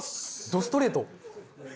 ドストレート。